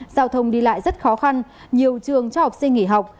giao thông đi lại rất khó khăn nhiều trường cho học sinh nghỉ học